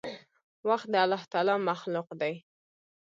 وخت د الله تعالي مخلوق دی.